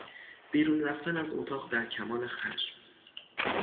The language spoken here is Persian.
بیرون رفتن از اتاق در کمال خشم